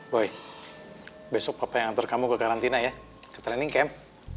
boy besok apa yang ngatur kamu ke karantina ya ke training camp